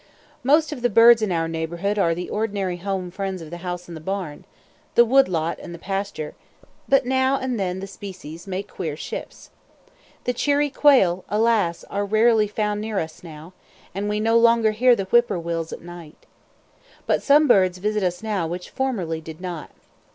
Most of the birds in our neighborhood are the ordinary home friends of the house and the barn, the wood lot and the pasture; but now and then the species make queer shifts. The cheery quail, alas! are rarely found near us now; and we no longer hear the whip poor wills at night. But some birds visit us now which formerly did not.